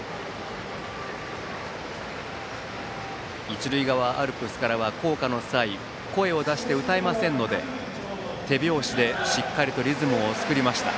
一塁側アルプスからは校歌の際声を出して歌えませんので手拍子でしっかりとリズムを作りました。